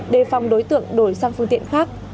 đề phòng đối tượng đổi sang phương tiện khác